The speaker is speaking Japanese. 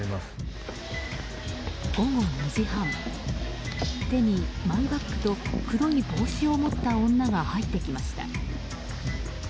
午後２時半、手にマイバッグと黒い帽子を持った女が入ってきました。